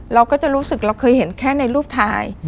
เราก็จะรู้สึกเราเคยเห็นแค่ในรูปถ่าย